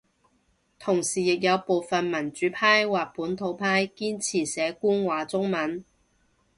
同時亦有部份民主派或本土派堅持寫官話中文